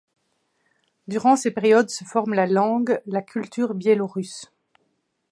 Durant ces périodes se forment la langue, la culture biélorusse.